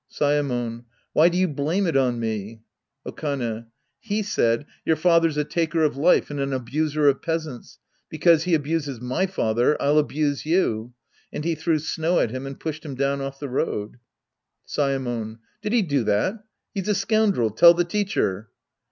Saemon. Why do you blame it on me ? Okane. He said, " Your father's a taker of life and an abuser of peasants. Because he abuses my father, I'll abuse you," and he threw snow at him and pushed him down off the road. Saemon. Did he do that ? He's a scoundrel. Tell the teacher.